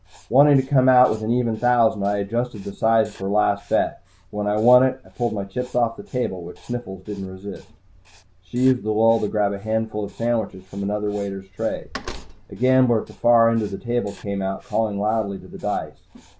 Wanting to come out with an even thousand, I adjusted the size of her last bet. When I won it, I pulled my chips off the table, which Sniffles didn't resist. She used the lull to grab a handful of sandwiches from another waiter's tray. A gambler at the far end of the table came out, calling loudly to the dice.